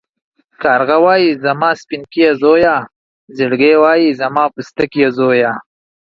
کارگه وايي زما سپينکيه زويه ، ځېږگى وايي زما پستکيه زويه.